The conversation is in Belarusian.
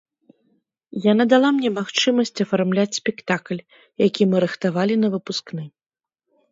Яна дала мне магчымасць афармляць спектакль, які мы рыхтавалі на выпускны.